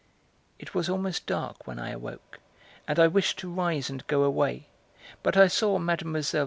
It was almost dark when I awoke, and I wished to rise and go away, but I saw Mlle.